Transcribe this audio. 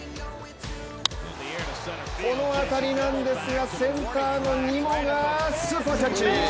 この当たりなんですが、センターのニモがスーパーキャッチ。